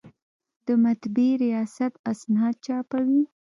د مطبعې ریاست اسناد چاپوي